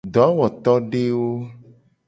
Dowotodewo.